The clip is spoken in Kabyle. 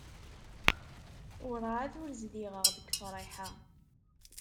Werɛad ur zdiɣeɣ deg Friḥa.